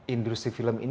industri film ini membantu